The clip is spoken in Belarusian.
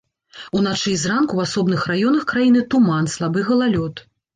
Уначы і зранку ў асобных раёнах краіны туман, слабы галалёд.